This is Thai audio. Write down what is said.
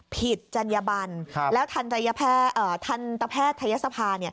จัญญบันแล้วทันตแพทยศภา